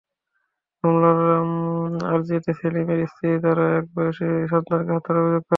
মামলার আরজিতে সেলিমের স্ত্রী তাঁরএক দিন বয়সী সন্তানকে হত্যার অভিযোগ করেন।